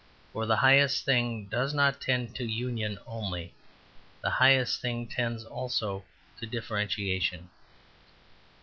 For the highest thing does not tend to union only; the highest thing, tends also to differentiation.